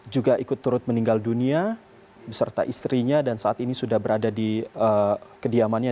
juga ikut turut meninggal dunia beserta istrinya dan saat ini sudah berada di kediamannya